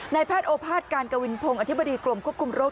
แพทย์โอภาษย์การกวินพงศ์อธิบดีกรมควบคุมโรค